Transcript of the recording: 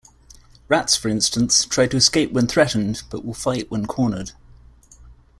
Rats, for instance, try to escape when threatened, but will fight when cornered.